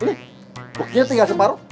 ini buknya tinggal separuh